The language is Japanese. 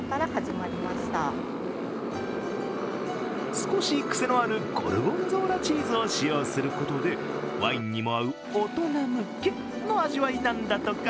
少し癖のあるゴルゴンゾーラチーズを使用することで、ワインにも合う大人向けの味わいなんだとか。